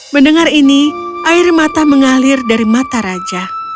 mendengar ini air mata mengalir dari mata raja